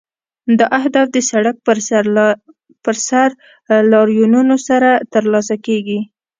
دا اهداف د سړک پر سر لاریونونو سره ترلاسه کیږي.